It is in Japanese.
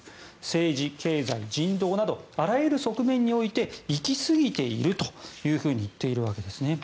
政治、経済、人道などあらゆる側面において行きすぎているというふうに言っているわけです。